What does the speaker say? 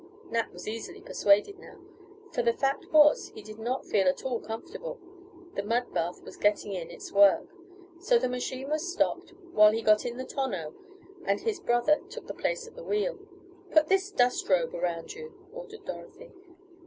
Nat was easily persuaded now, for the fact was he did not feel at all comfortable the mud bath was getting in its work, so the machine was stopped while he got in the tonneau and his brother took the place at the wheel. "Put this dust robe around you," ordered Dorothy.